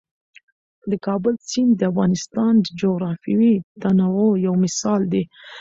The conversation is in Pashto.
د کابل سیند د افغانستان د جغرافیوي تنوع یو مثال دی.